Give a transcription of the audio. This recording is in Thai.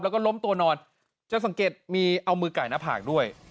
แล้วก็ล้มตัวนอนจะสังเกตมีเอามือไก่หน้าผากด้วย